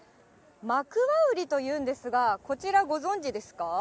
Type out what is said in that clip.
マクワウリというんですが、こちら、ご存じですか？